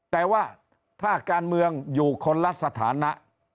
แต่ว่าถ้าการเมืองอยู่คนละสถานะ